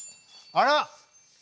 あら！